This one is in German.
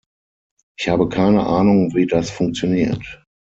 Ich habe keine Ahnung wie das funktioniert.